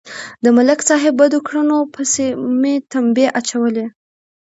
د ملک صاحب بدو کړنو پسې مې تمبې اچولې.